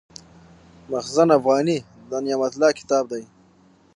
مخزن افغاني د نعمت الله کتاب دﺉ.